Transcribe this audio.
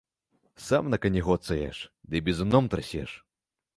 Сам на кані гоцаеш ды бізуном трасеш.